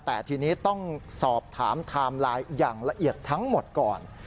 แต่ทีนี้ต้องสอบถามไทม์ไลน์อย่างละเอียดทั้งหมดก่อน